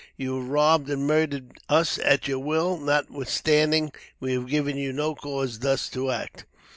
You have robbed and murdered us at your will, notwithstanding we have given you no cause thus to act.